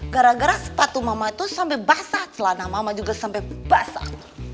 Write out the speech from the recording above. gara gara sepatu mama itu sampai basah celana mama juga sampai basah